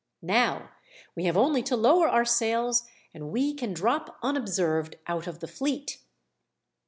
Now we have only to lower our sails, and we can drop unobserved out of the fleet."